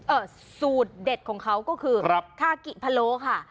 เอ่อสูดเด็ดของเขาก็คือครากิพะโล้ค่ะ